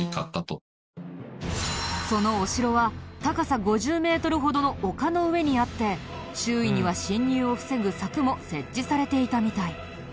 そのお城は高さ５０メートルほどの丘の上にあって周囲には侵入を防ぐ柵も設置されていたみたい。